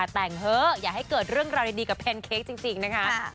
แต่งเถอะอย่าให้เกิดเรื่องราวดีกับแพนเค้กจริงนะคะ